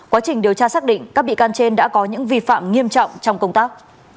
quá trình điều tra xác định các bị can trên đã có những vi phạm nghiêm trọng trong công tác